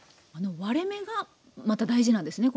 割れ目がまた大事なんですね